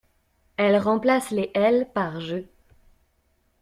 Elle remplace les Elle par Je.